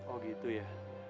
oh gitu ya